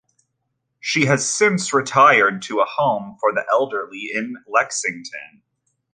She has since retired to a home for the elderly in Lexington.